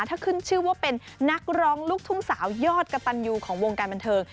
ถ้าขึ้นชื่อว่าเป็นนักร้องลูกทุ่งสาวยอดกระตันยูของวงการบันเทิง